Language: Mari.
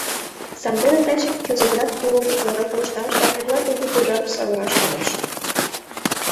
Сандене таче кузе-гынат тулым утларак ылыжташ да эрла кугу пожарыш савыраш кӱлеш.